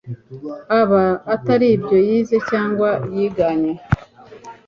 aba atari ibyo yize cyangwa yiganye